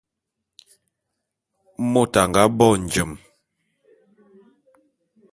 Môt a nga bo njem.